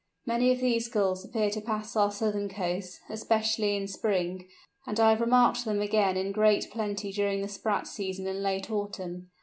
Many of these Gulls appear to pass our southern coasts, especially in spring, and I have remarked them again in great plenty during the sprat season in late autumn.